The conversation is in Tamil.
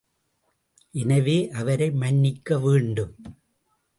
எனவே, அவரை மன்னிக்க வேண்டும்.